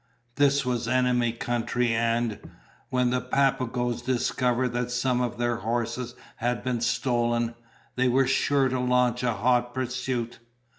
This was enemy country and, when the Papagoes discovered that some of their horses had been stolen, they were sure to launch a hot pursuit.